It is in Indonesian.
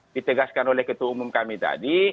ditegaskan oleh ketua umum kami tadi